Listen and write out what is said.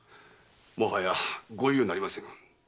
もはやご猶予なりません。